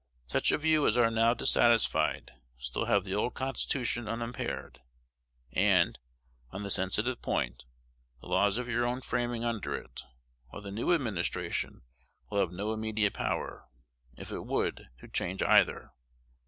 Such of you as are now dissatisfied still have the old Constitution unimpaired, and, on the sensitive point, the laws of your own framing under it; while the new administration will have no immediate power, if it would, to change either.